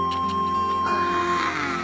ああ。